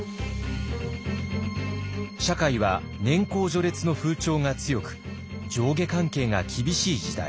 社会は年功序列の風潮が強く上下関係が厳しい時代。